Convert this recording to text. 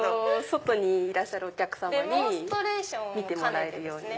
外にいらっしゃるお客様に見てもらえるように。